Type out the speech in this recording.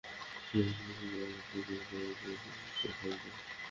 সরসরার সুপ্রিমের ঘাড়ে গুরুদায়িত্ব তো থাকবেই।